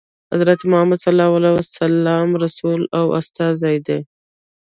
حضرت محمد ﷺ د الله ﷻ رسول او استازی دی.